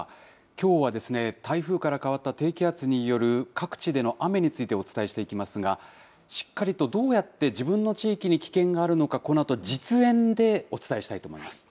きょうは台風から変わった低気圧による各地での雨についてお伝えしていきますが、しっかりとどうやって自分の地域に危険があるのか、このあと、実演でお伝えしたいと思います。